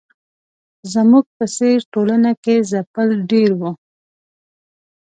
زموږ په څېر ټولنه کې ځپل ډېر وو.